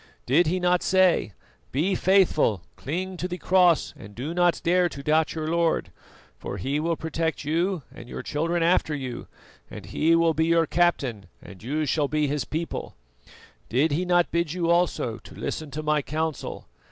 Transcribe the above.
Did he not say: 'Be faithful, cling to the Cross, and do not dare to doubt your Lord, for He will protect you, and your children after you, and He will be your Captain and you shall be His people'? Did he not bid you also to listen to my counsel?